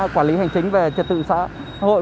quản lý hành chính về trật tự xã hội